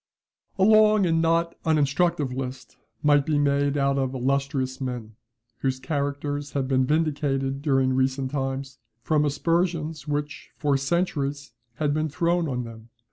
A long and not uninstructive list might be made out of illustrious men, whose characters have been vindicated during recent times from aspersions which for centuries had been thrown on them.